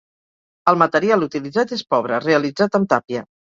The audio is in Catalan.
El material utilitzat és pobre, realitzat amb tàpia.